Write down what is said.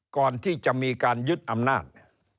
ก่อนที่จะมีการยึดอำนาจ